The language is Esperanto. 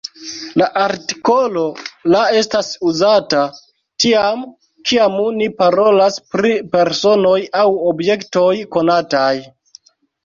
La artikolo « la » estas uzata tiam, kiam ni parolas pri personoj aŭ objektoj konataj.